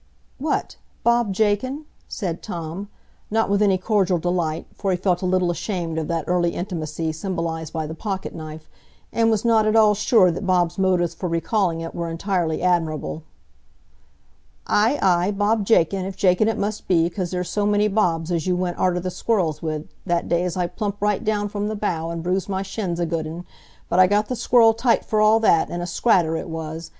"What! Bob Jakin?" said Tom, not with any cordial delight, for he felt a little ashamed of that early intimacy symbolised by the pocket knife, and was not at all sure that Bob's motives for recalling it were entirely admirable. "Ay, ay, Bob Jakin, if Jakin it must be, 'cause there's so many Bobs as you went arter the squerrils with, that day as I plumped right down from the bough, and bruised my shins a good un—but I got the squerril tight for all that, an' a scratter it was.